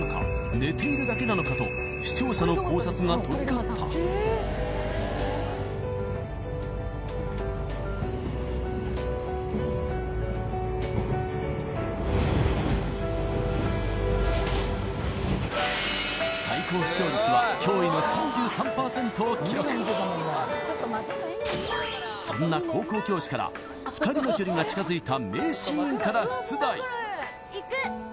寝ているだけなのか？と視聴者の考察が飛び交った最高視聴率は驚異の３３％を記録そんな「高校教師」から２人の距離が近づいた名シーンから出題行く！